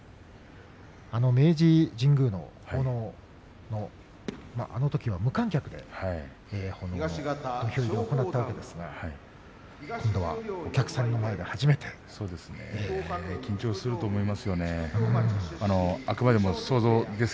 明治神宮の奉納、あのときは無観客で土俵入りを行ったわけですが今度はお客さんの前で初めての土俵入りです。